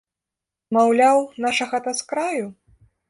Маўляў, наша хата з краю?